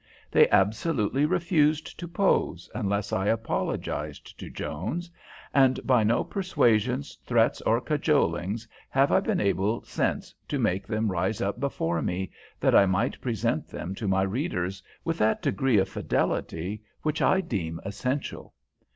They absolutely refused to pose unless I apologized to Jones, and by no persuasions, threats, or cajoling have I been able since to make them rise up before me, that I might present them to my readers with that degree of fidelity which I deem essential.